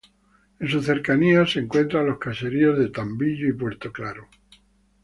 En sus cercanías se encuentran los caseríos de Tambillo y Puerto Claro.